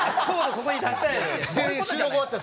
ここに出したいのよ。